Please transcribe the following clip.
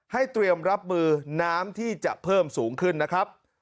เตรียมรับมือน้ำที่จะเพิ่มสูงขึ้นนะครับ